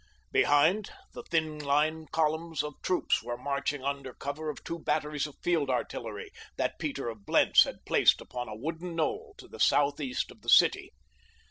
Behind, the thin line columns of troops were marching under cover of two batteries of field artillery that Peter of Blentz had placed upon a wooden knoll to the southeast of the city.